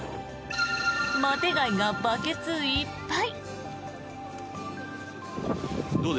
マテガイがバケツいっぱい。